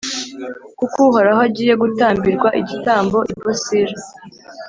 kuko Uhoraho agiye gutambirwa igitambo i Bosira,